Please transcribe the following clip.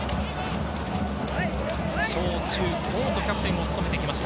小中高とキャプテンを務めてきました。